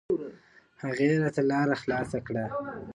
هغې راته لاره خلاصه کړه.